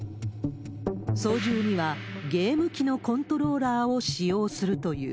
操縦にはゲーム機のコントローラーを使用するという。